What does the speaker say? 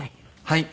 はい。